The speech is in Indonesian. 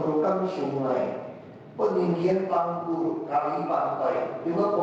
kalau bayarnya kelebihan bagaimana